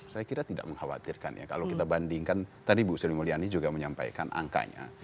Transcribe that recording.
saya kira tidak mengkhawatirkan ya kalau kita bandingkan tadi bu sri mulyani juga menyampaikan angkanya